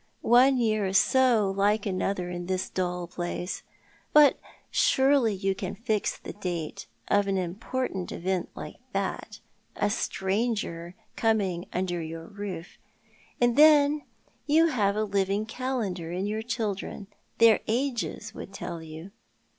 One year is so like another in this dull place." " But you can surely fix the date of an important event like that — a stranger coming under your roof. And then you have a living calendar in your children — their ages would tell you."